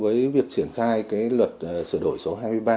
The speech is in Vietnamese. với việc triển khai luật sửa đổi số hai mươi ba